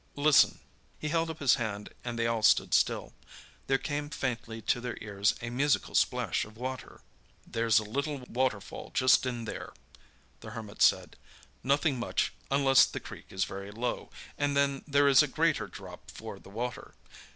"Listen!" He held up his hand and they all stood still. There came faintly to their ears a musical splash of water. "There's a little waterfall just in there," the Hermit said, "nothing much, unless the creek is very low, and then there is a greater drop for the water.